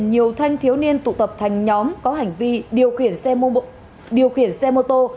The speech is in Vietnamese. nhiều thanh thiếu niên tụ tập thành nhóm có hành vi điều khiển xe mô tô